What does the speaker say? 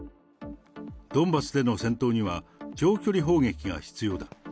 ドンバスでの戦闘には長距離砲撃が必要だ。